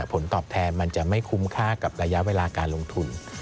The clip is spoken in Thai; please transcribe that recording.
ผลตอบแทนมันจะไม่คุ้มค่ากับระยะเวลาการลงทุน